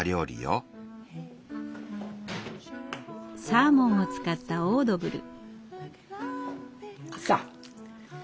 サーモンを使ったオードブル。